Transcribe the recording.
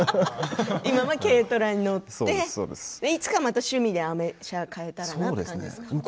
今は軽トラに乗っていつか趣味でアメ車が買えたらという感じですか。